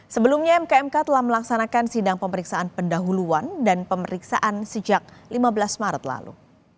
sebelumnya mkmk telah melaksanakan sidang pemeriksaan pendahuluan dan pemeriksaan sejak lima belas maret lalu